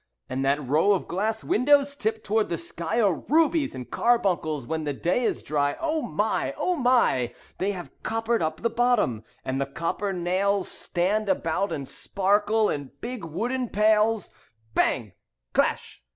And that row of glass windows tipped toward the sky Are rubies and carbuncles when the day is dry. Oh, my! Oh, my! They have coppered up the bottom, And the copper nails Stand about and sparkle in big wooden pails. Bang! Clash!